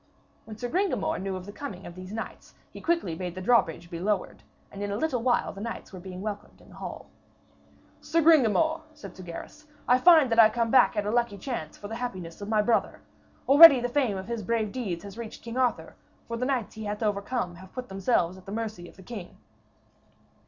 When Sir Gringamor knew of the coming of these knights, quickly he bade the drawbridge to be lowered, and in a little while the knights were being welcomed in the hall. 'Sir Gringamor,' said Sir Gaheris, 'I find that I come at a lucky chance for the happiness of my brother. Already the fame of his brave deeds has reached King Arthur, for the knights he hath overcome have put themselves in the mercy of the king.'